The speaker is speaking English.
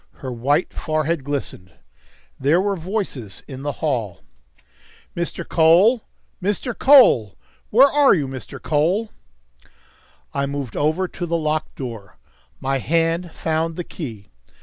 Her white forehead glistened. There were voices in the hall. "Mr. Cole! Mr. Cole! Where are you, Mr. Cole?" I moved over to the locked door. My hand found the key.